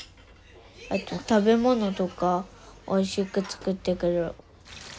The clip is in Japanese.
あと食べ物とかおいしく作ってくれる。